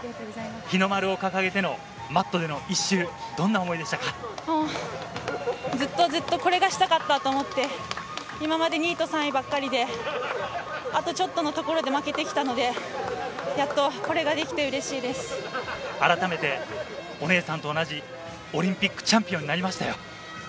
日の丸を掲げてのマットでのずっとずっとこれがしたかったと思って、今まで２位と３位ばっかりで、あとちょっとのところで負けてきたので、改めて、お姉さんと同じオリンピックチャンピオンになりましたよ。